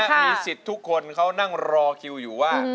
มีสิทธิ์ทุกคนเขานั่งรอคิวอยู่ว่า